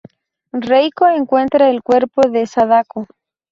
Reiko encuentra el cuerpo de Sadako.